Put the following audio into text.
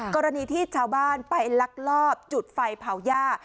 กรณีที่ชาวบ้านไปลักลอบจุดไฟเผาหญ้า